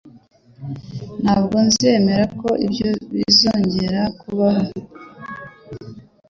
Ntabwo nzemera ko ibyo bizongera kubaho.